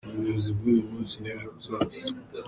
Ni ubuyobozi bw’uyu munsi n’ejo hazaza.